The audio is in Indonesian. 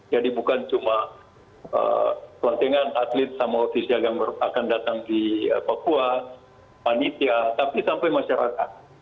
jadi bukan cuma pelantikan atlet sama ofisial yang akan datang di papua panitia tapi sampai masyarakat